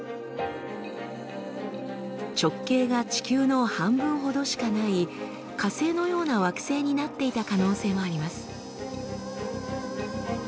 直径が地球の半分ほどしかない火星のような惑星になっていた可能性もあります。